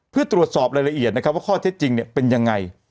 เพื่อตรวจสอบรายละเอียดนะครับว่าข้อเท็จจริงเป็นยังไง